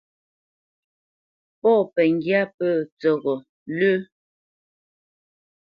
Pɔ̂ pəŋgyá pə̂ tsəghó lə́.